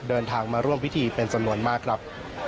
เดินทางมาร่วมพิธีเป็นจำนวนมากครับ